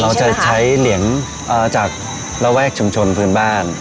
เราจะใช้เหรียญจากระแวกชุมชนพื้นบ้าน